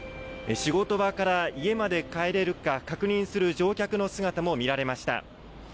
仕事場から家まで帰れるか確認する乗客の姿も見られました。